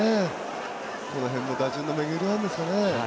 この辺の打順の巡りなんですかね。